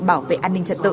bảo vệ an ninh trật tự